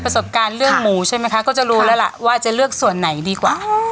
สบการณ์เรื่องหมูใช่ไหมคะก็จะรู้แล้วล่ะว่าจะเลือกส่วนไหนดีกว่า